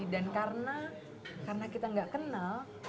dan karena karena kita gak kenal